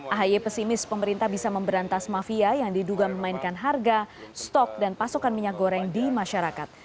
ahy pesimis pemerintah bisa memberantas mafia yang diduga memainkan harga stok dan pasokan minyak goreng di masyarakat